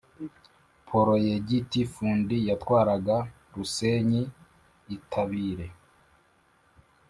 Proyegiti Fundi yatwaraga Rusenyi-Itabire.